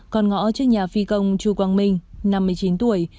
con ngõ trước nhà phi công chu quang minh năm mươi chín tuổi